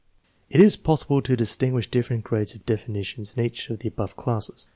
It is possible to distinguish different grades of definitions in each of the above classes.